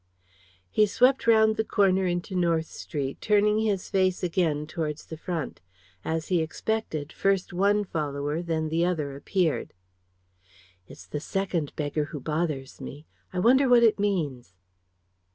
He swept round the corner into North Street, turning his face again towards the front. As he expected, first one follower, then the other, appeared. "It's the second beggar who bothers me. I wonder what it means?"